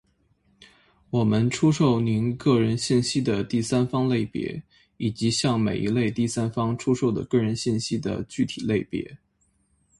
我们出售您个人信息的第三方类别，以及向每一类第三方出售的个人信息的具体类别。